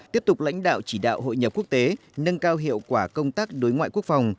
tiếp tục lãnh đạo chỉ đạo hội nhập quốc tế nâng cao hiệu quả công tác đối ngoại quốc phòng